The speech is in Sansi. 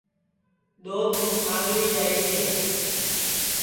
دؔوت ہوں سانگھڑی جائیری ہے